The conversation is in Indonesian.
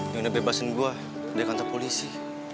yang udah bebasin gue dari kantor polisi